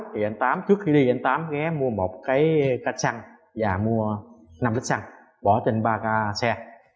thì anh tám trước khi đi anh tám ghé mua một cái cá chăn và mua năm lít chăn bỏ trên ba ca xe